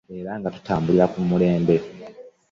Era nga kutambulira ku mulembe